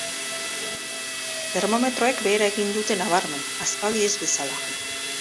Termometroek behera egin dute nabarmen, aspaldi ez bezala.